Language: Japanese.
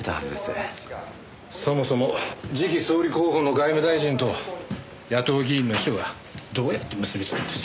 そもそも次期総理候補の外務大臣と野党議員の秘書がどうやって結びつくんです？